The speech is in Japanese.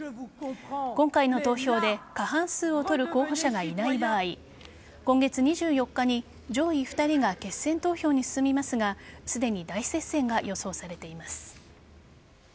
今回の投票で過半数を取る候補者がいない場合今月２４日に上位２人が決選投票に進みますがすでに大接戦が予想されています。